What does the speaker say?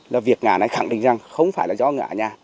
là việc ngã này khẳng định rằng không phải là do ngã nhà